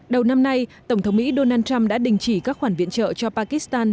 đầu năm nay tổng thống mỹ donald trump đã đình chỉ các khoản viện trợ cho pakistan